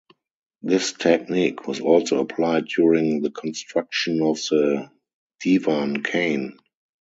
This technique was also applied during the construction of the Divan Khane.